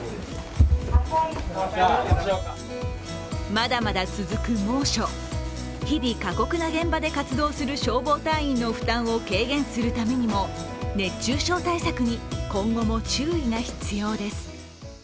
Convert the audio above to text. まだまだ続く猛暑、日々過酷な現場で活動する消防隊員の負担を軽減するためにも熱中症対策に今後も注意が必要です。